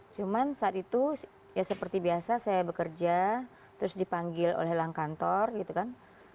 cuman saat itu ya seperti biasa saya bekerja terus dipanggil oleh langkantor gitu kan